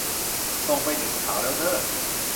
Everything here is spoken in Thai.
ส่งไปหนึ่งข่าวแล้วเน้อ